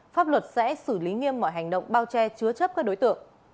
pháp luật sẽ xử lý nghiêm mọi hành động bao che chứa chấp các đối tượng